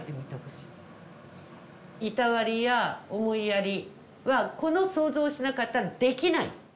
いたわりや思いやりはこの想像しなかったらできない。